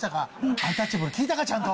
アンタッチャブル、聞いたか、ちゃんと。